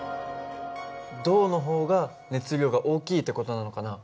銅の方が熱量が大きいって事なのかな？